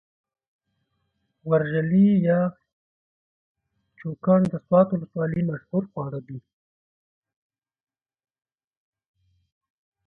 ورژلي يا چوکاڼ د سوات ولسوالۍ مشهور خواړه دي.